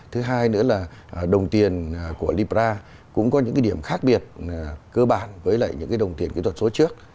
thứ hai nữa là đồng tiền của libra cũng có những điểm khác biệt cơ bản với lại những đồng tiền kỹ thuật số trước